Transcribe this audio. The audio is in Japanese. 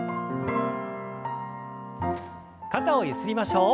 肩をゆすりましょう。